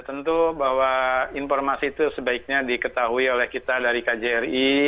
tentu bahwa informasi itu sebaiknya diketahui oleh kita dari kjri